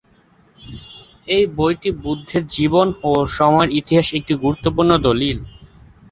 এই বইটি বুদ্ধের জীবন ও সময়ের ইতিহাসে একটি গুরুত্বপূর্ণ দলিল।